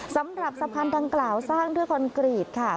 สำหรับสะพานดังกล่าวสร้างด้วยคอนกรีตค่ะ